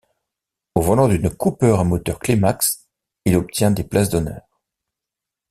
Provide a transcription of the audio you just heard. Au volant d'une Cooper à moteur Climax, il obtient des places d'honneur.